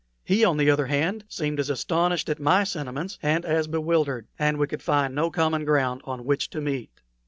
He, on the other hand, seemed as astonished at my sentiments and as bewildered, and we could find no common ground on which to meet.